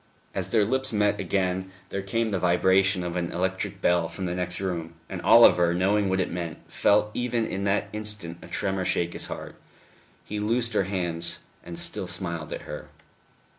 As their lips met again there came the vibration of an electric bell from the next room, and Oliver, knowing what it meant, felt even in that instant a tremor shake his heart. He loosed her hands, and still smiled at her.